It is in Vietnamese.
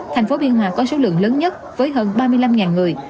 thành phố biên hòa có số lượng lớn nhất với hơn ba mươi năm người